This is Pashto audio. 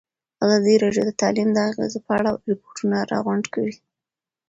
ازادي راډیو د تعلیم د اغېزو په اړه ریپوټونه راغونډ کړي.